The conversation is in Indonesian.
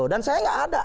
dan saya gak ada